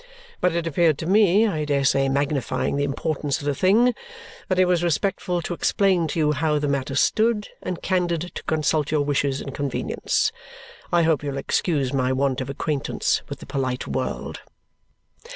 But it appeared to me I dare say magnifying the importance of the thing that it was respectful to explain to you how the matter stood and candid to consult your wishes and convenience. I hope you will excuse my want of acquaintance with the polite world."